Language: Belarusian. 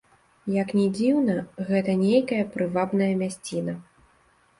Як ні дзіўна, гэта нейкая прывабная мясціна.